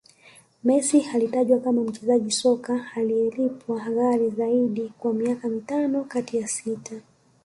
Messi alitajwa kama mchezaji soka anayelipwa ghali Zaidi kwa miaka mitano kati ya sita